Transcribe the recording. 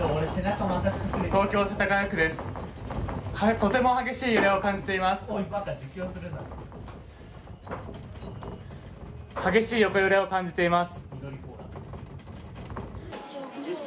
とても激しい揺れを感じています